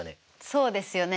そうですよね。